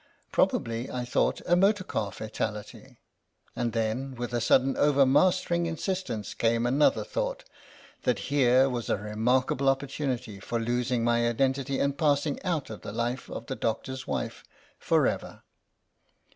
Probably, I thought, a motor car fatality ; and then, with a sudden overmastering insistence, came another thought, that here was a remarkable opportunity for losing my identity and pass ing out of the life of the doctor's wife for ever.